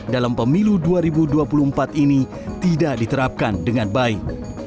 dalam pemilu dua ribu dua puluh empat ini tidak diterapkan dengan baik